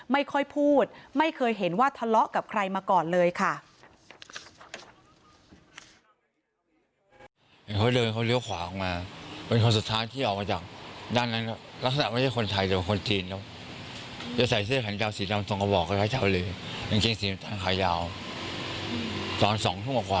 ไม่ค่อยพูดไม่เคยเห็นว่าทะเลาะกับใครมาก่อนเลยค่ะ